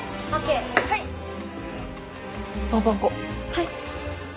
はい。